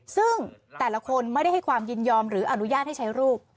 ซึ่งแต่ละคนไม่ได้ให้ความยินยอมหรืออนุญาตให้ใช้รูป